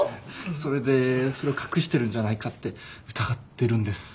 それでそれを隠してるんじゃないかって疑ってるんです。